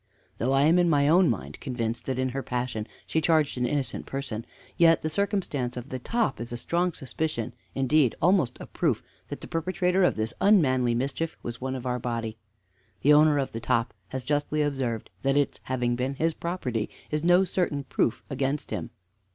Though I am in my own mind convinced that in her passion she charged an innocent person, yet the circumstance of the top is a strong suspicion indeed, almost a proof that the perpetrator of this unmanly mischief was one of our body. "The owner of the top has justly observed that its having been his property is no certain proof against him.